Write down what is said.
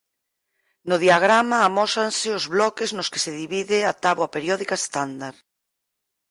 No diagrama amósanse os bloques nos que se divide a táboa periódica estándar.